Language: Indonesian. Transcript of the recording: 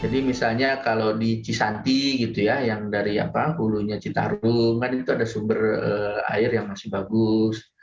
jadi misalnya kalau di cisanti gitu ya yang dari apa hulunya citarungan itu ada sumber air yang masih bagus